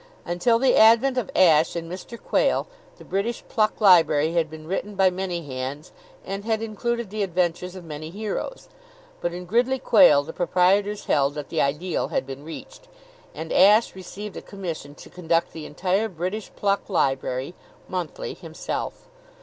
Until the advent of Ashe and Mr. Quayle, the British Pluck Library had been written by many hands and had included the adventures of many heroes: but in Gridley Quayle the proprietors held that the ideal had been reached, and Ashe received a commission to conduct the entire British Pluck Library monthly himself.